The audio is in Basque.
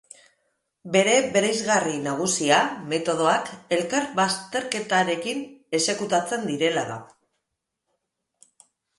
Bere bereizgarri nagusia metodoak elkar-bazterketarekin exekutatzen direla da.